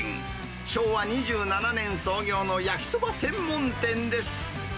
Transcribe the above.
昭和２７年創業の焼きそば専門店です。